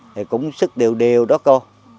thì cũng sức điều điều đó cô